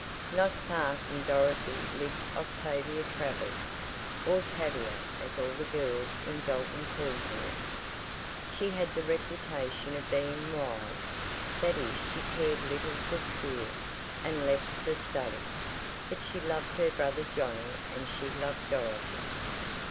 Not far from Dorothy lived Octavia Travers, or Tavia as all the girls in Dalton called her, She had the reputation of being wild; that is she cared little for school, and less for study, but she loved her brother Johnnie and she loved Dorothy.